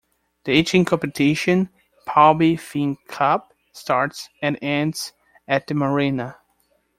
The yachting competition, Palby Fyn Cup, starts and ends at the marina.